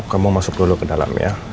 kamu masuk dulu ke dalam ya